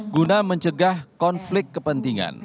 guna mencegah konflik kepentingan